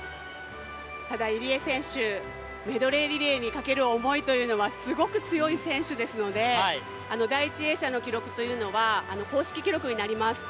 ただ入江選手、メドレー選手にかける思いがすごく強い選手ですので、第１泳者の記録というのは公式記録になります。